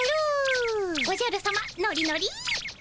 おじゃるさまノリノリ。